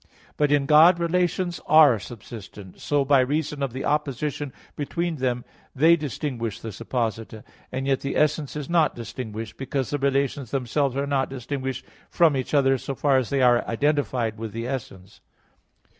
But in God relations are subsistent, and so by reason of the opposition between them they distinguish the supposita; and yet the essence is not distinguished, because the relations themselves are not distinguished from each other so far as they are identified with the essence.